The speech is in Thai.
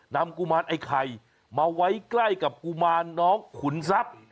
กุมารไอ้ไข่มาไว้ใกล้กับกุมารน้องขุนทรัพย์